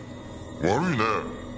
悪いねえ